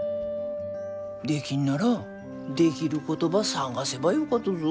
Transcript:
できんならできることば探せばよかとぞ。